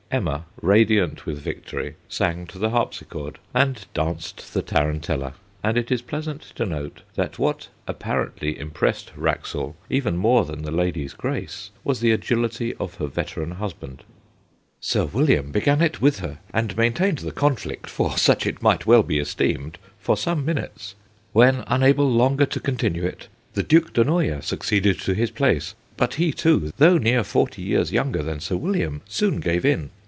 Emma, radiant with victory, sang to the harpsichord and danced the tarantella, and it is pleasant to note that what apparently impressed Wraxall, even more than the lady's grace, was the agility of her veteran husband. ' Sir William began it with her, and main tained the conflict, for such it might well be THE TARANTELLA 185 esteemed, for some minutes. When, unable longer to continue it, the Duke de Noia succeeded to his place ; but he too, though near forty years younger than Sir William, soon gave in.